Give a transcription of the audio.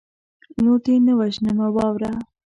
نور دې نه وژنمه واوره